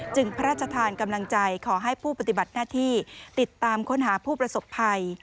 พระราชทานกำลังใจขอให้ผู้ปฏิบัติหน้าที่ติดตามค้นหาผู้ประสบภัย